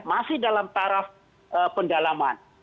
masih dalam taraf pendalaman